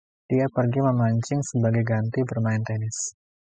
Dia pergi memancing sebagai ganti bermain tenis.